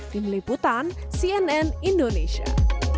tim liputan cnn indonesia